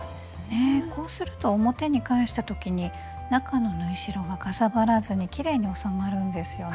こうすると表に返した時に中の縫い代がかさばらずにきれいに収まるんですよね。